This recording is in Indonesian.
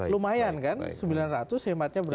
lumayan kan sembilan ratus hematnya berapa